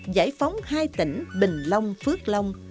giải phóng hai tỉnh bình long phước long